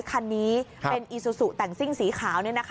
คันนี้เป็นอีซูซูแต่งซิ่งสีขาว